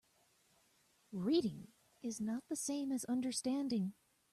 Reading is not the same as understanding.